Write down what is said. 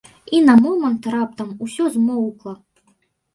І на момант раптам усё змоўкла.